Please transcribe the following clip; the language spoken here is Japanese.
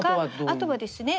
あとはですね